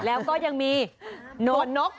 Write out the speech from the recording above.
แล้วก็ยังมีโน่นนก